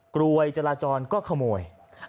กลวยจราจรก็ขโมย